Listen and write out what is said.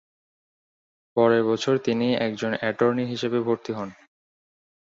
পরের বছর তিনি একজন অ্যাটর্নি হিসেবে ভর্তি হন।